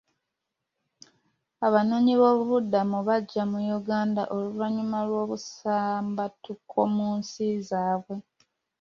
Abanoonyiboobubudamu bajja mu Uganda oluvannyuma lw'obusambattuko mu nsi zaabwe.